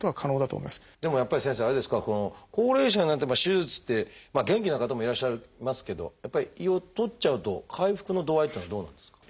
でもやっぱり先生あれですか高齢者になって手術ってまあ元気な方もいらっしゃいますけどやっぱり胃を取っちゃうと回復の度合いっていうのはどうなんですか？